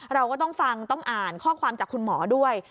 เราก็ต้องฟังต้องอ่านข้อความจากคุณหมอด้วย